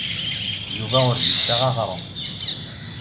Yuba ur d-yessaɣ aɣrum.